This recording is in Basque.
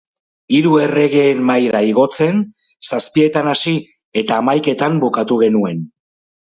Hiru Erregeen Mahaira igotzen, zazpietan hasi, eta hamaiketan bukatu genuen.